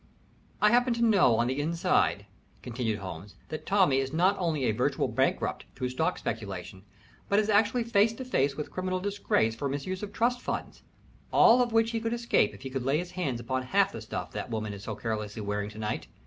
"I happen to know on the inside," continued Holmes, "that Tommie is not only a virtual bankrupt through stock speculation, but is actually face to face with criminal disgrace for misuse of trust funds, all of which he could escape if he could lay his hands upon half the stuff that woman is so carelessly wearing to night.